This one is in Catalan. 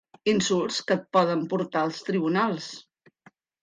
Insults que et poden portar als Tribunals.